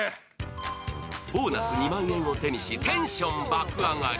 ボーナス２万円を手にし、テンション爆上がり。